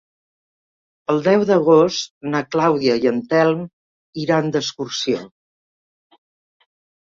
El deu d'agost na Clàudia i en Telm iran d'excursió.